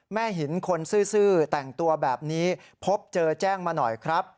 แม่หินคนซื่อแต่งตัวแบบนี้พบเจอแจ้งมาหน่อยครับ